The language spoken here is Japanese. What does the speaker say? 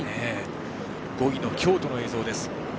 ５位の京都の映像です。